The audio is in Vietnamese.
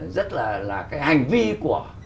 rất là là cái hành vi của